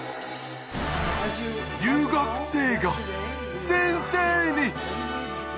留学生が先生に！